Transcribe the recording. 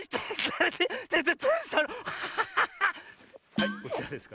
はいこちらです。